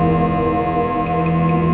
tuan tuan tuan